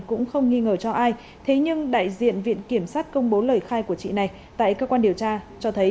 cũng không nghi ngờ cho ai thế nhưng đại diện viện kiểm sát công bố lời khai của chị này tại cơ quan điều tra cho thấy